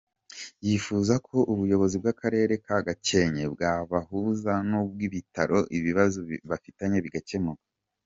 Yifuza ko Ubuyobozi bw’Akarere ka Gakenke bwabahuza n’ubw’Ibitaro ibibazo bafitanye bigakemuka.